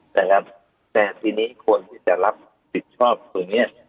แต่ทีนี้คนที่จะรับสิทธิ์ชอบตัวเนี้ย